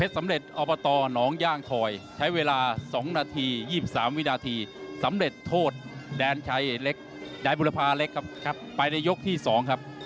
อบตหนองย่างคอยใช้เวลา๒นาที๒๓วินาทีสำเร็จโทษแดนชัยเล็กยายบุรพาเล็กครับไปในยกที่๒ครับ